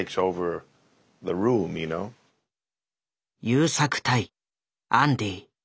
優作対アンディ。